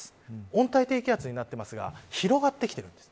温帯低気圧になってますが広がってきてるんです。